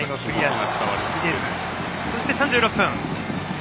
そして、３６分。